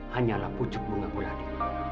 hanyalah pucuk bunga bulati